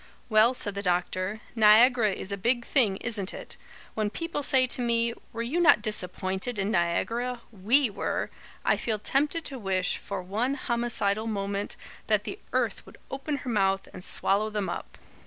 "Well," said the doctor, "Niagara is a big thing isn't it? When people say to me, 'Were you not disappointed in Niagara? WE were!' I feel tempted to wish, for one homicidal moment, that the earth would open her mouth and swallow them up.